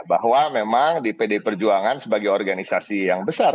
bahwa memang di pd perjuangan sebagai organisasi yang besar